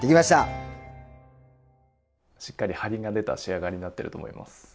しっかりハリが出た仕上がりになってると思います。